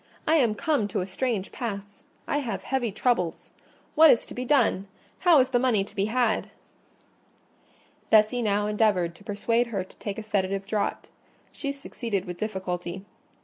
I am come to a strange pass: I have heavy troubles. What is to be done? How is the money to be had?" Bessie now endeavoured to persuade her to take a sedative draught: she succeeded with difficulty.